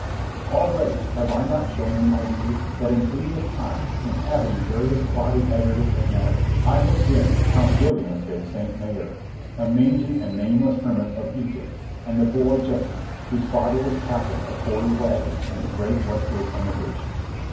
Already, have I not shown you, my reader, that in previous times, inhabiting various cloddy aggregates of matter, I have been Count Guillaume de Sainte Maure, a mangy and nameless hermit of Egypt, and the boy Jesse, whose father was captain of forty wagons in the great westward emigration.